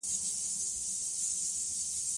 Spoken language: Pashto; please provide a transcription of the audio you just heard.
په دې ښار کي د یوسف عاشقان ډیر دي